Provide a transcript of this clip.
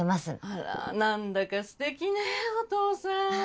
あらなんだかすてきねぇお父さん。